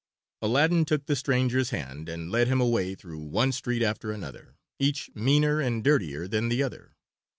Aladdin took the stranger's hand and led him away through one street after another, each meaner and dirtier than the other.